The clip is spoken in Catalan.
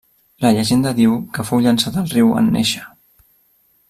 La llegenda diu que fou llençat al riu en néixer.